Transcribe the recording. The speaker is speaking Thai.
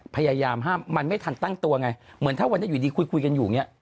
พยายามห้ามมันไม่ทันตั้งตัวไงเหมือนถ้าวันนี้อยู่ดีคุยกันอยู่อย่างนี้